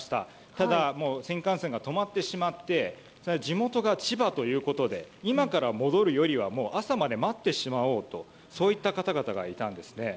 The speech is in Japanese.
ただ、新幹線が止まってしまって地元が千葉ということで今から戻るよりは朝まで待ってしまおうとそういった方々がいたんですね。